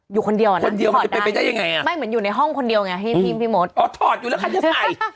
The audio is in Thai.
อยู่คนเดียวนะถอดได้ไม่เหมือนอยู่ในห้องคนเดียวไงพี่มดถอดอยู่แล้วใครจะใส่